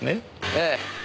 ええ。